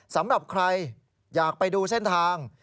สำหรับใครอยากไปดูเส้นทาง